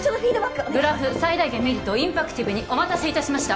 グラフ最大限メリットをインパクティブにお待たせいたしました